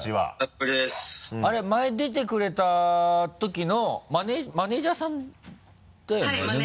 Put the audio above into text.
あれ前出てくれた時のマネジャーさん？だよね。